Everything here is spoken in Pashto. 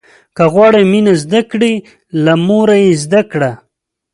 که غواړې مينه زده کړې، له موره يې زده کړه.